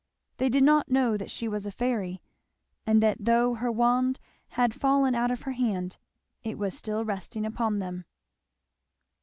They did not know that she was a fairy, and that though her wand had fallen out of her hand it was still resting upon them.